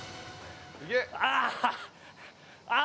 ああ。